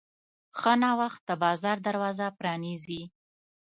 ښه نوښت د بازار دروازه پرانیزي.